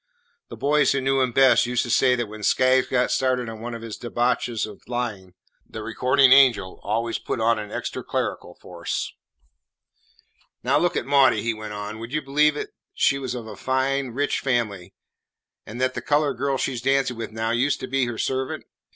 The boys who knew him best used to say that when Skaggs got started on one of his debauches of lying, the Recording Angel always put on an extra clerical force. "Now look at Maudie," he went on; "would you believe it that she was of a fine, rich family, and that the coloured girl she 's dancing with now used to be her servant?